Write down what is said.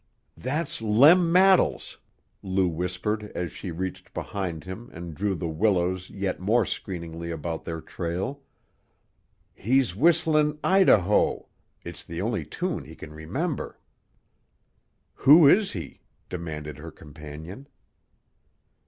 "That's Lem Mattles," Lou whispered as she reached behind him and drew the willows yet more screeningly about their trail. "He's whistlin' 'Ida Ho'; it's the only tune he can remember." "Who is he?" demanded her companion.